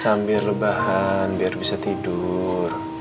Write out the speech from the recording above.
sambil lebahan biar bisa tidur